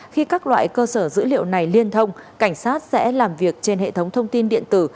khi các loại cơ sở dữ liệu này liên thông cảnh sát sẽ làm việc trên hệ thống thông tin điện tử